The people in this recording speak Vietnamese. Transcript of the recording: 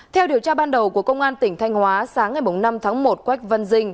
theo điều tra ban đầu của công an tỉnh thanh hóa sáng ngày năm tháng một quách văn dinh